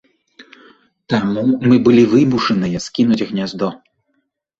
Таму мы былі вымушаныя скінуць гняздо.